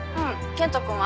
健人君は？